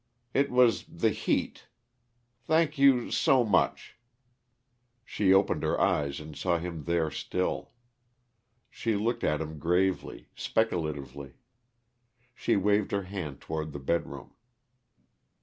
It was the heat. Thank you so much " She opened her eyes and saw him there still. She looked at him gravely, speculatively. She waved her hand toward the bedroom.